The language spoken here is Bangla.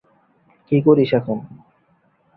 তিনি দুই খণ্ডে তা সমাপ্ত করেন।